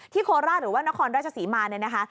โคราชหรือว่านครราชศรีมาเนี่ยนะคะ